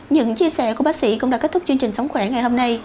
những chia sẻ của bác sĩ cũng đã kết thúc chương trình sống khỏe ngày hôm nay